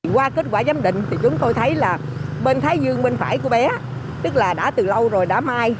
qua kết quả giám định thì chúng tôi thấy là bên thái dương bên phải của bé tức là đã từ lâu rồi đã mai